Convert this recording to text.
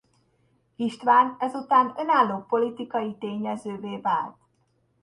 István ezután önálló politikai tényezővé vált.